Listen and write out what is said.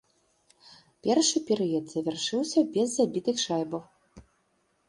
Першы перыяд завяршыўся без забітых шайбаў.